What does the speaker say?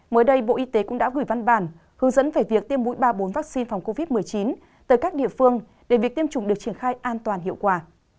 mới đây bộ y tế cũng đã gửi văn bản hướng dẫn về việc tiêm mũi ba bốn vaccine phòng covid một mươi chín tới các địa phương để việc tiêm chủng được triển khai an toàn hiệu quả